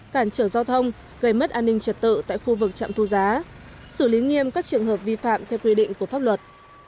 cản trở giao thông gây mất an ninh trật tự tại khu vực trạm thu giá xử lý nghiêm các trường hợp vi phạm theo quy định của pháp luật